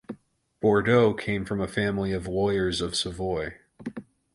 Bordeaux came from a family of lawyers of Savoy.